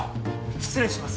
失礼します。